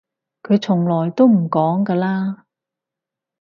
佢從來都唔講㗎啦